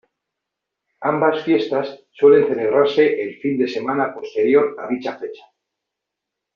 Ambas fiestas suelen celebrarse el fin de semana posterior a dicha fecha.